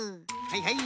はいはい。